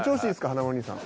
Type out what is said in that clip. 華丸兄さん。